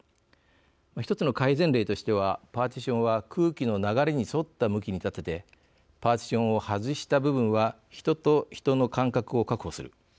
一つの改善例としてはパーティションは空気の流れに沿った向きに立ててパーティションを外した部分は人と人の間隔を確保する。